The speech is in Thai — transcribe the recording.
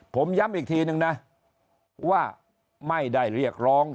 ผมย้ำอีกทีนึงนะว่าไม่ได้เรียกร้อง